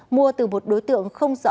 mua từ một đối tượng không rõ